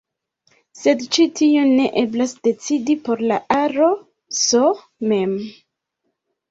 Sed ĉi tion ne eblas decidi por la aro "S" mem.